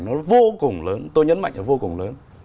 nó vô cùng lớn tôi nhấn mạnh là vô cùng lớn